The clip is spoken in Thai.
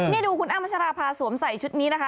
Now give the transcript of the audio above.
นี่ดูคุณอ้ำพัชราภาสวมใส่ชุดนี้นะคะ